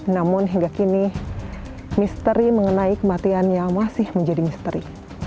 namun hingga kini misteri mengenai kematiannya masih menjadi misteri